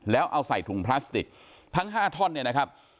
แล้วเอาใส่ถุงพลาสติกทั้ง๕ท่อนเนี่ยนะครับ